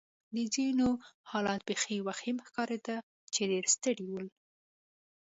د ځینو حالت بېخي وخیم ښکارېده چې ډېر ستړي ول.